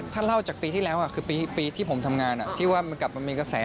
ถ้าเล่าจากปีที่แล้วคือปีที่ผมทำงานที่ว่ามันกลับมามีกระแส